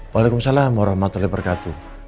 waalaikumsalam warahmatullahi wabarakatuh